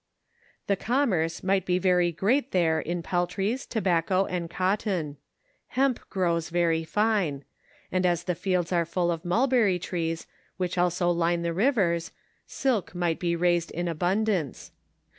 The commerce might be very great there in peltries, tobac co, and cotton. Hemp grows very fine ; and as the fields are full of mulberry trees which also line the rivers, silk might be raised in abundance.